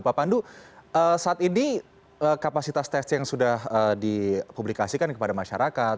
pak pandu saat ini kapasitas testing yang sudah dipublikasikan kepada masyarakat